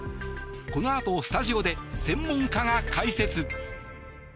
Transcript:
このあとスタジオで専門家が解説。